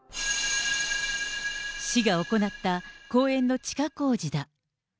市が行った公園の地下工事だ。